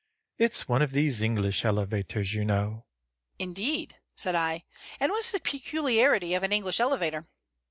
It's one of these English elevators, you know." "Indeed?" said I. "And what is the peculiarity of an English elevator?"